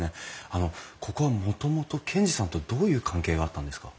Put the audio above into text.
あのここはもともと賢治さんとどういう関係があったんですか？